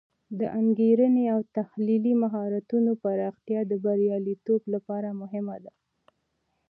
د انګیرنې او تحلیلي مهارتونو پراختیا د بریالیتوب لپاره مهمه ده.